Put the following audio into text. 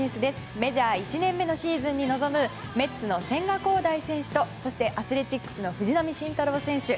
メジャー１年目のシーズンに臨むメッツの千賀滉大選手とそして、アスレチックスの藤浪晋太郎選手。